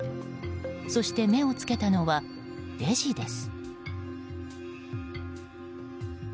そして目を付けたのはレジです。